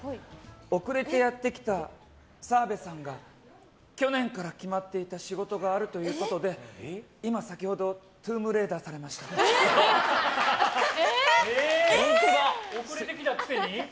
遅れてやってきた澤部さんが去年から決まっていた仕事があるということで今先ほど遅れてきたくせに？